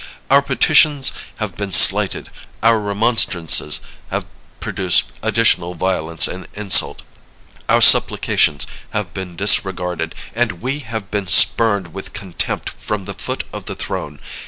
Our petitions have been slighted; our remonstrances have produced additional violence and insult; our supplications have been disregarded; and we have been spurned with contempt from the foot of the throne.